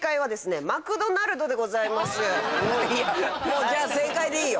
いやもうじゃあ正解でいいよ。